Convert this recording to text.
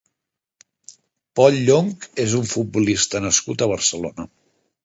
Pol Llonch és un futbolista nascut a Barcelona.